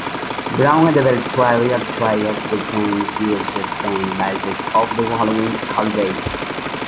Brown eventually altered the game to use a theme based on the Halloween holiday.